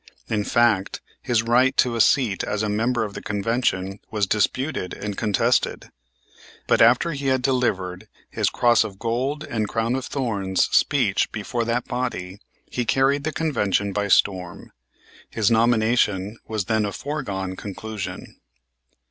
In fact his right to a seat as a member of the convention was disputed and contested. But, after he had delivered his cross of gold and crown of thorns speech before that body, he carried the Convention by storm. His nomination was then a foregone conclusion.